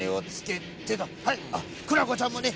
クラコちゃんもね